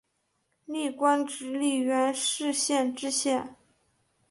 历官直隶元氏县知县。